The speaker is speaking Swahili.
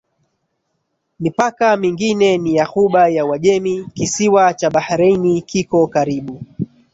Mipaka mingine ni ya Ghuba ya Uajemi Kisiwa cha Bahrain kiko karibu